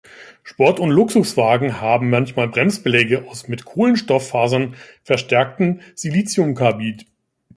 Sport- und Luxuswagen haben manchmal Bremsbeläge aus mit Kohlenstofffasern verstärkten Siliciumcarbid.